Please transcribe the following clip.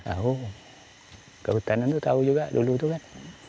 tahu kehutanan itu tahu juga dulu itu kan